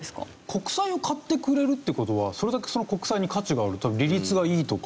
国債を買ってくれるって事はそれだけその国債に価値がある多分利率がいいとか。